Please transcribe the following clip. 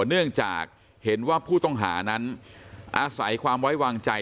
เนื่องจากเห็นว่าผู้ต้องหานั้นอาศัยความไว้วางใจ